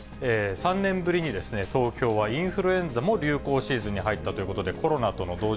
３年ぶりに東京はインフルエンザも流行シーズンに入ったということで、コロナとの同時